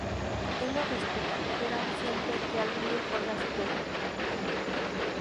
Él lo respeta, pero aún siente que algún día podrá superarlo.